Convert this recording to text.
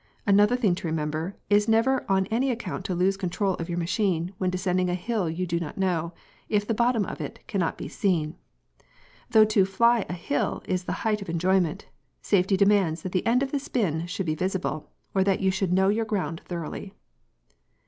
Another thing to remember, is never on any account to lose control of your machine when descending a hill you do not know, if the bottom of it cannot be seen. Though to "fly" a hill is the height of enjoyment, safety demands that the end of the spin should be visible, or that you should know your ground thoroughly.